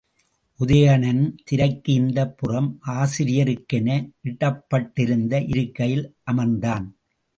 உதயணன் திரைக்கு இந்தப் புறம் ஆசிரியருக்கென இடப்பட்டிருந்த இருக்கையில் அமர்ந்தான்.